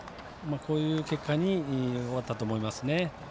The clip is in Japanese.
こういう結果に終わったと思いますね。